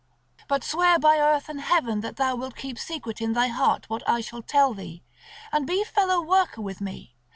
But swear by Earth and Heaven that thou wilt keep secret in thy heart what I shall tell thee, and be fellow worker with me.